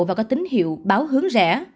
và có tín hiệu báo hướng rẻ